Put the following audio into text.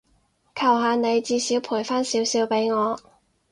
求下你，至少賠返少少畀我